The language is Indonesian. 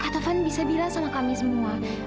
taufan bisa bilang sama kami semua